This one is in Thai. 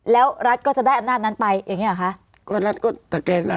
แล้วรัฐก็จะได้อำนาจนั้นไปอย่างนี้หรอคะ